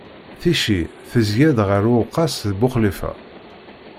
Ticci tezga-d gar Uwqas d Buxlifa.